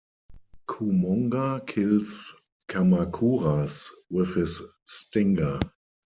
Kumonga kills Kamacuras with his stinger.